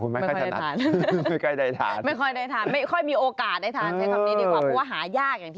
คุณไม่ค่อยได้ทานไม่ค่อยได้ทานใช่ครับนี้ดีกว่าเพราะว่าหายากอย่างที่บอกไป